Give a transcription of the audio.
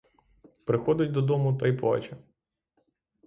Приходить додому та й плаче.